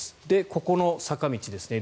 ここの坂道ですね